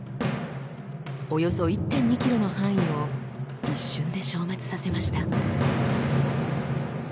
およそ１．２ｋｍの範囲を一瞬で消滅させました。